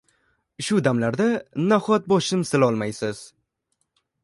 Shu damlarda naxot boshim silolmaysiz